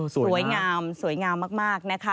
สวยงามสวยงามมาก